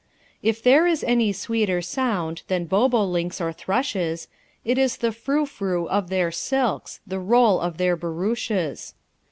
If there is any sweeter sound Than bobolinks or thrushes, It is the frou frou of their silks The roll of their barouches.